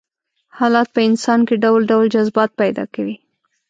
حالات په انسان کې ډول ډول جذبات پيدا کوي.